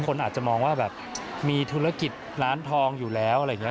คนอาจจะมองว่าแบบมีธุรกิจร้านทองอยู่แล้วอะไรอย่างนี้